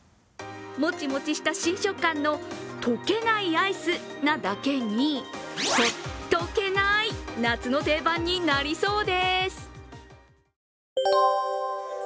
もちもちした新食感の溶けないアイスなだけにほっとけない、夏の定番になりそうです。